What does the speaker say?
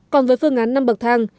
còn với phương án năm bậc thang